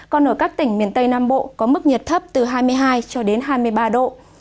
còn ở các tỉnh miền tây nam bộ có mức nhiệt thấp từ hai mươi hai cho đến hai mươi ba độ